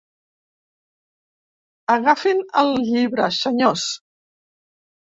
Agafin el llibre, senyors.